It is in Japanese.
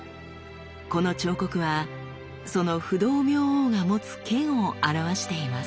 この彫刻はその不動明王が持つ剣を表しています。